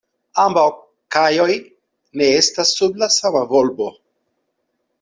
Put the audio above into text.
Ambaŭ kajoj ne estas sub la sama volbo.